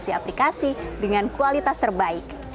aplikasi aplikasi dengan kualitas terbaik